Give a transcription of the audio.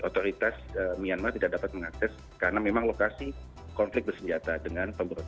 otoritas myanmar tidak dapat mengakses karena memang lokasi konflik pesenjata